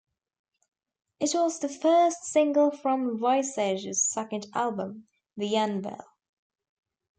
It was the first single from Visage's second album, "The Anvil".